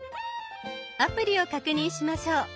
アプリを確認しましょう。